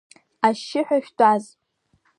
Ашьшьыҳәа шәтәаз!